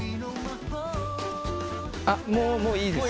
あっもうもういいです。